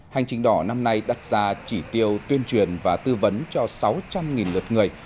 hành trình đỏ năm nay đặt ra chỉ tiêu tuyên truyền và tư vấn cho sáu trăm linh lượt người